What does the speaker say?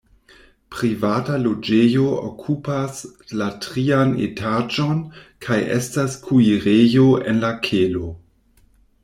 Privata loĝejo okupas la trian etaĝon kaj estas kuirejo en la kelo.